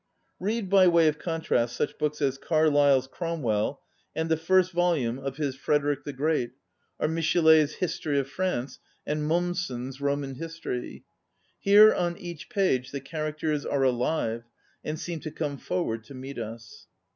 Read, by way of contrast, such books as Carlyle's " Cromwell " and the first volume of his "Frederick 39 ON READING the Great/' or Michelefs "History of France" and Mommsen*s "Roman History/' Here, on each page, the characters are aUve, and seem to come forward to meet us.